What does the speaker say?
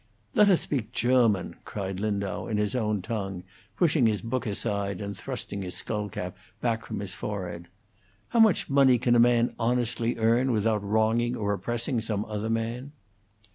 "Let us speak German!" cried Lindau, in his own tongue, pushing his book aside, and thrusting his skullcap back from his forehead. "How much money can a man honestly earn without wronging or oppressing some other man?"